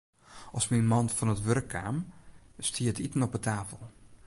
As myn man fan it wurk kaam, stie it iten op 'e tafel.